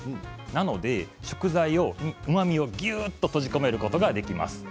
なので食材をうまみをぎゅっと閉じ込めることができます。